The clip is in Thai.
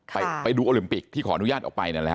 ไปดูโอลิมปิกที่ขอนุญาตออกไปนะครับ